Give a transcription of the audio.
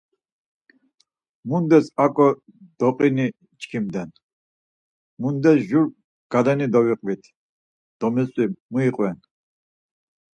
Mundes ak̆o doqini çkimden, mundes jur galeni doviqvit, domitzvi muiqven?